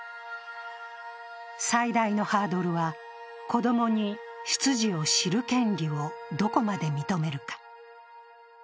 最大のハードルは、子供に出自を知る権利をどこまで認めるか。